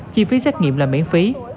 chi phí xét nghiệm là miễn phí